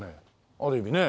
ある意味ね。